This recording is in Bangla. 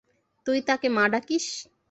তুই তাকে মা ডাকিস।